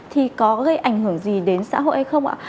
thì có gây ảnh hưởng gì đến xã hội hay không ạ